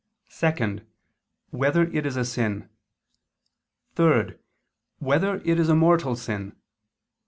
(2) Whether it is a sin? (3) Whether it is a mortal sin?